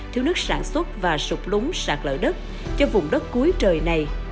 thiếu nước sản xuất và sụp lúng sạt lỡ đất cho vùng đất cuối trời này